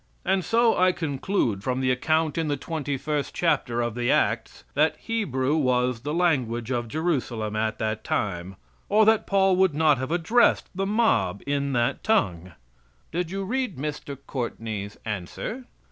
And so I conclude from the account in the twenty first chapter of the Acts that "Hebrew was the language of Jerusalem at that time, or that Paul would not have addressed the mob in that tongue." "Did you read Mr. Courtney's answer?"